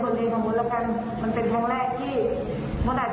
ก็การเรียกว่าจะต้องปรับปรุงแต่ในเรื่องของความสะอาดของเราเนี่ย